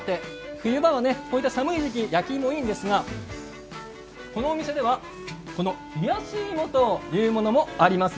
冬場は、こういった寒い時期、焼き芋いいんですがこのお店では冷やし芋というものもあります。